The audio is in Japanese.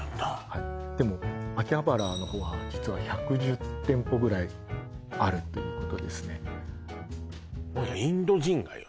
はいでも秋葉原の方は実は１１０店舗ぐらいあるということですね